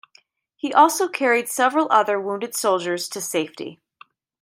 He also carried several other wounded soldiers to safety.